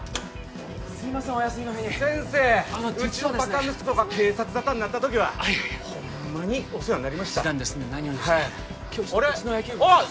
すいませんお休みの日に先生あの実はですねうちのバカ息子が警察沙汰になった時はいやいやホンマにお世話になりました示談で済んで何よりでした今日ちょっとうちの野球部があれ？